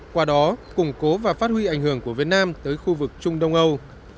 qua đó củng cố và phát huy ảnh hưởng của việt nam tới khu vực trung đông âu